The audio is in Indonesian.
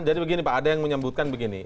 jadi begini pak ada yang menyebutkan begini